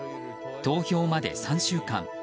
投票まで３週間。